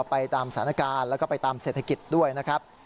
ไปตามสถานการณ์แล้วก็ไปตามเศรษฐกิจด้วยนะครับ